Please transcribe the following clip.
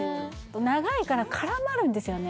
長いから絡まるんですよね